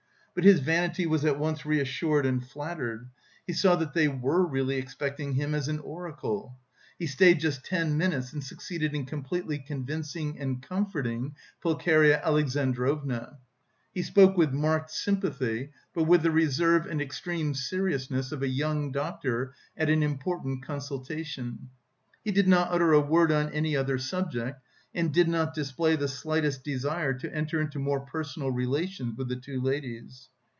But his vanity was at once reassured and flattered; he saw that they were really expecting him as an oracle. He stayed just ten minutes and succeeded in completely convincing and comforting Pulcheria Alexandrovna. He spoke with marked sympathy, but with the reserve and extreme seriousness of a young doctor at an important consultation. He did not utter a word on any other subject and did not display the slightest desire to enter into more personal relations with the two ladies.